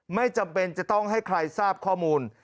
ไม่จำเป็นจะต้องให้ใครทราบข้อมูล